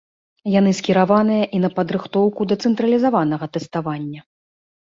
Яны скіраваныя і на падрыхтоўку да цэнтралізаванага тэставання.